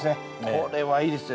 これはいいですよ。